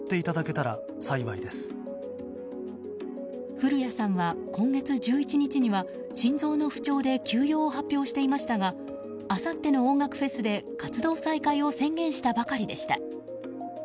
降谷さんは今月１１日には心臓の不調で休養を発表していましたがあさっての音楽フェスで活動再開を宣言したばかりでした。